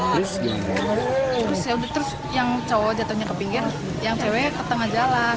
terus yaudah terus yang cowok jatuhnya ke pinggir yang cewek ke tengah jalan